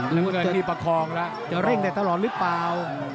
น้ำเงินนี่ประคองแล้วจะเร่งได้ตลอดหรือเปล่า